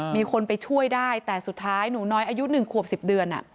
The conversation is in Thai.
มีคนไปช่วยได้แต่สุดท้ายหนูน้อยอายุ๑ขวบ๑๐เดือน